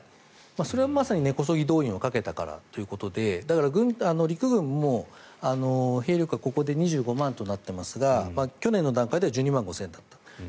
それはまさに根こそぎ動員をかけたからということで陸軍も兵力がここで２５万となっていますが去年の段階では１２万５０００だった。